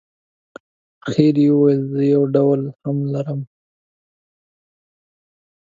اخر یې وویل زه یو ډول هم لرم.